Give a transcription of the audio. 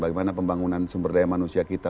bagaimana pembangunan sumber daya manusia kita